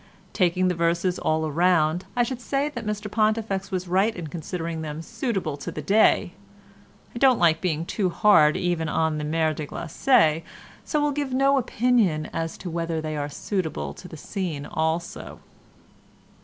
Taking the verses all round, I should say that Mr Pontifex was right in considering them suitable to the day; I don't like being too hard even on the Mer de Glace, so will give no opinion as to whether they are suitable to the scene also.